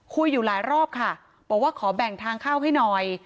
คุยอยู่หลายรอบค่ะบอกว่าขอแบ่งทางเข้าให้หน่อย